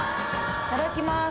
いただきます。